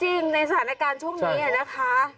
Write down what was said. ในสถานการณ์ช่วงนี้นะคะ